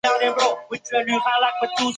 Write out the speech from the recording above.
银汉鱼目为辐鳍鱼纲的其中一目。